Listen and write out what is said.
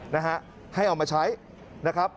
นะฮะให้เอามาใช้นะครับ